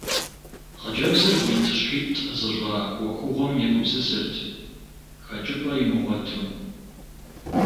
Хъыджэбзыр гуитӀщхьитӀ зыщӏа ӏуэхугъуэм егупсысырт, хэкӏыпӏэ имыгъуэту.